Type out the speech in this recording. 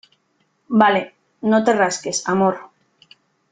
vale . no te rasques , amor .